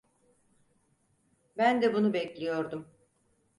Ben de bunu bekliyordum.